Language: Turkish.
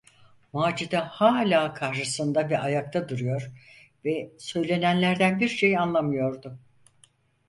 Macide hâlâ karşısında ve ayakta duruyor ve söylenenlerden bir şey anlamıyordu.